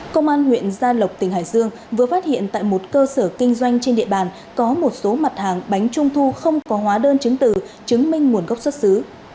công an huyện gia lộc tỉnh hải dương vừa phát hiện tại một cơ sở kinh doanh trên địa bàn có một số mặt hàng bánh trung thu không có hóa đơn chứng từ chứng minh nguồn gốc xuất xứ